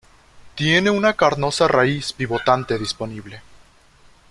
Tiene una carnosa raíz pivotante disponible.